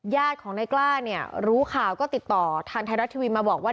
ญาติของนายกล้าเนี่ยรู้ข่าวก็ติดต่อทางไทยรัฐทีวีมาบอกว่า